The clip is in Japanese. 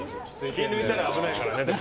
気抜いたら危ないからね。